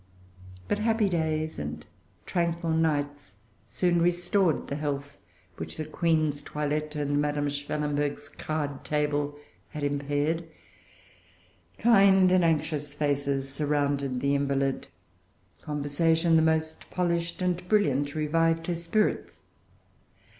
But happy days and tranquil nights soon restored the health which the Queen's toilette and Madame Schwellenberg's card table had impaired. Kind and anxious faces surrounded the invalid. Conversation the most polished and brilliant revived her spirits.